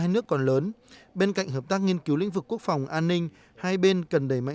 hai nước còn lớn bên cạnh hợp tác nghiên cứu lĩnh vực quốc phòng an ninh hai bên cần đẩy mạnh